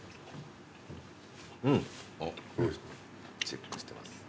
チェックしてます。